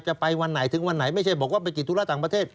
ไปวันไหนถึงวันไหนไม่ใช่บอกว่าไปติดธุระต่างประเทศ